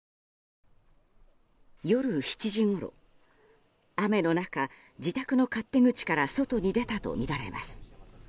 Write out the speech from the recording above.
夜７時ごろ、雨の中自宅の勝手口から外に出たとみられます。